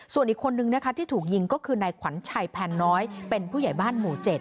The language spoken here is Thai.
ส่วนอีกคนนึงนะคะที่ถูกยิงก็คือนายขวัญชัยแพนน้อยเป็นผู้ใหญ่บ้านหมู่๗